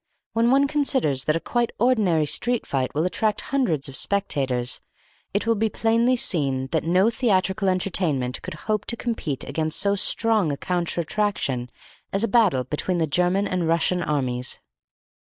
When one considers that a quite ordinary street fight will attract hundreds of spectators, it will be plainly seen that no theatrical entertainment could hope to compete against so strong a counter attraction as a battle between the German and Russian armies.